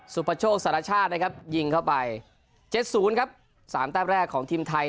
ปโชคสารชาตินะครับยิงเข้าไป๗๐ครับ๓แต้มแรกของทีมไทย